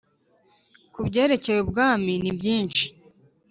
ku byerekeye ubwami ni byinshi